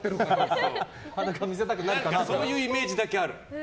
そういうイメージだけある。